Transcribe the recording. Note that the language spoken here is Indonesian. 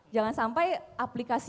jangan sampai aplikasi